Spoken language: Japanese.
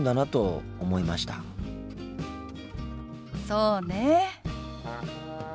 そうねえ。